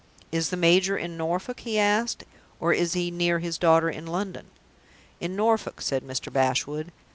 "Is the major in Norfolk?" he asked, "or is he near his daughter in London?" "In Norfolk," said Mr. Bashwood.